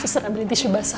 susah ambilin tisu basah